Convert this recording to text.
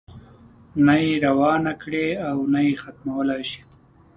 نه یې روانه کړې او نه یې ختمولای شي.